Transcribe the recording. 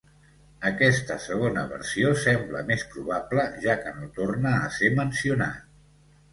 Aquesta segona versió sembla més probable, ja que no torna a ser mencionat.